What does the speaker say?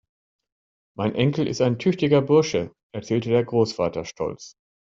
Mein Enkel ist ein tüchtiger Bursche, erzählte der Großvater stolz.